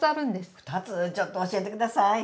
２つちょっと教えてください。